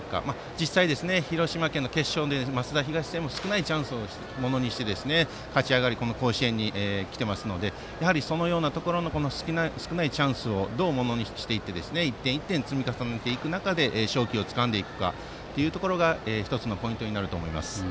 実際に島根県の決勝の益田東戦も少ないチャンスをものにして勝ち上がりこの甲子園に来ていますのでそのようなところの少ないチャンスをどう、ものにして１点１点積み重ねて勝機をつかんでいくかというところが１つのポイントになると思います。